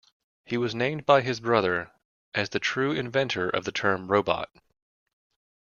He was named by his brother as the true inventor of the term "robot".